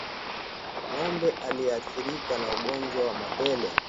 Ngombe aliyeathirika na ugonjwa wa mapele